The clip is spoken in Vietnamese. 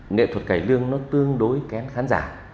nghệ thuật cải lương nó tương đối kén khán giả